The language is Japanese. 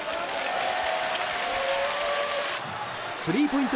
スリーポイント